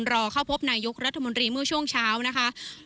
รอเข้าพบนายกรัฐมนตรีเมื่อช่วงเช้านะคะ